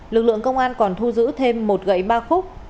lực lượng công an còn thu giữ thêm một gậy ba khúc